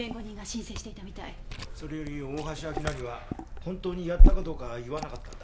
それより大橋明成は本当にやったかどうか言わなかったんだ？